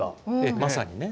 まさにね。